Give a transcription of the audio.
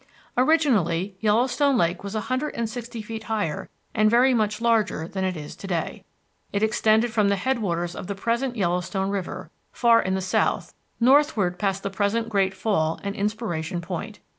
Originally Yellowstone Lake was a hundred and sixty feet higher and very much larger than it is to day. It extended from the headwaters of the present Yellowstone River, far in the south, northward past the present Great Fall and Inspiration Point.